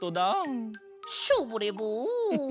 ショボレボン。